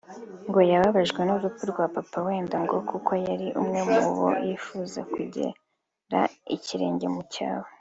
ngo yababajwe n’urupfu rwa Papa Wemba ngo kuko yari umwe mu bo yifuza kugera ikirenge mu cyabo